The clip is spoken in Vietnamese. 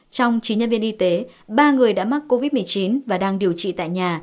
trong chín nhân viên y tế ba người đã mắc covid một mươi chín và đang điều trị tại nhà